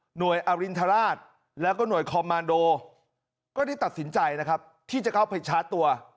อรินทราชแล้วก็หน่วยคอมมานโดก็ได้ตัดสินใจนะครับที่จะเข้าไปชาร์จตัว